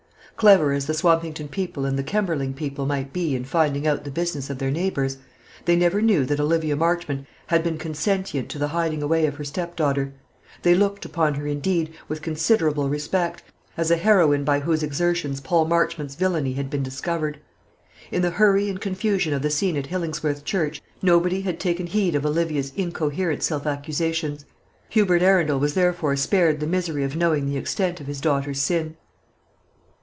Clever as the Swampington people and the Kemberling people might be in finding out the business of their neighbours, they never knew that Olivia Marchmont had been consentient to the hiding away of her stepdaughter. They looked upon her, indeed, with considerable respect, as a heroine by whose exertions Paul Marchmont's villany had been discovered. In the hurry and confusion of the scene at Hillingsworth Church, nobody had taken heed of Olivia's incoherent self accusations: Hubert Arundel was therefore spared the misery of knowing the extent of his daughter's sin.